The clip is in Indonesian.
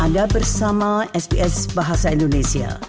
anda bersama sps bahasa indonesia